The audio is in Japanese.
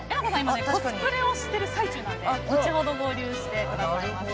コスプレをしている最中なので後程、合流してくださいます。